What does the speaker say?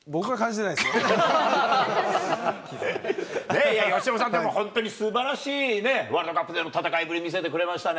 いやいや、由伸さん、すばらしいね、ワールドカップでの戦いぶり見せてくれましたね。